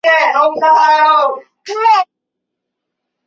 游戏的剧情与前两作并没有太多区别。